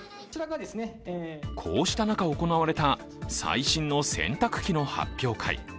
こうした中、行われた最新の洗濯機の発表会。